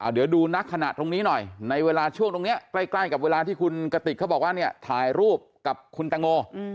เดี๋ยวดูนักขณะตรงนี้หน่อยในเวลาช่วงตรงนี้ใกล้กับเวลาที่คุณกติกเขาบอกว่าเนี่ยถ่ายรูปกับคุณแตงโม